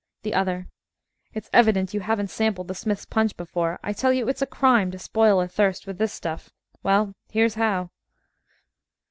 THE OTHER It's evident you haven't sampled the Smythes' punch before. I tell you it's a crime to spoil a thirst with this stuff. Well, here's how.